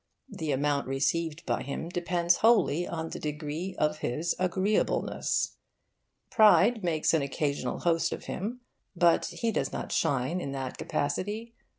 The amount received by him depends wholly on the degree of his agreeableness. Pride makes an occasional host of him; but he does not shine in that capacity.